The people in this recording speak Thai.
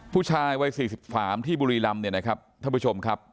ผู้ชายวัย๔๓ที่บุรีรำเนี่ยนะครับท่านผู้ชมครับ